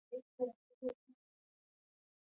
د کندهار شاولیکوټ ولسوالۍ انځر په نام دي.